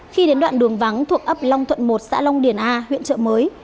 khi đến đoạn đường vắng thuộc ấp long thuận một xã long điển a huyện chợ mới